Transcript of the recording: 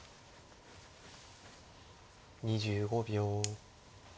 ２５秒。